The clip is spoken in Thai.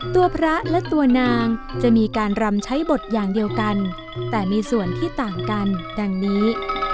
ตัวพระและตัวนางจะมีการรำใช้บทอย่างเดียวกันแต่มีส่วนที่ต่างกันดังนี้